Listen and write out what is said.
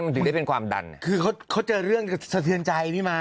ถึงได้เป็นความดันคือเขาเจอเรื่องสะเทือนใจพี่ม้า